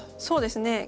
そうですね。